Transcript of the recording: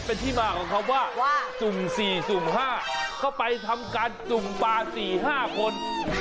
เป็นที่มาของคำว่าว่าสุ่มสี่สุ่มห้าเข้าไปทำการสุ่มปลาสี่ห้าคน